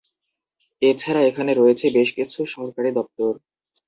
এছাড়া এখানে রয়েছে বেশকিছু সরকারি দপ্তর।